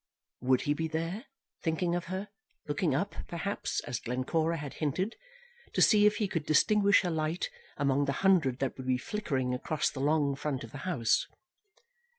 Would he be there, thinking of her, looking up, perhaps, as Glencora had hinted, to see if he could distinguish her light among the hundred that would be flickering across the long front of the house.